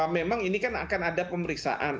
memang ini kan akan ada pemeriksaan